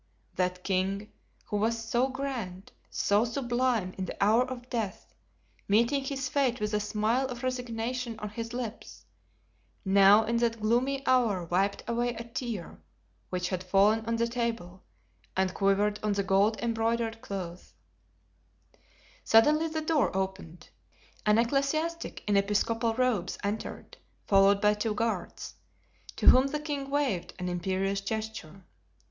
That king, who was so grand, so sublime in the hour of death, meeting his fate with a smile of resignation on his lips, now in that gloomy hour wiped away a tear which had fallen on the table and quivered on the gold embroidered cloth. Suddenly the door opened, an ecclesiastic in episcopal robes entered, followed by two guards, to whom the king waved an imperious gesture.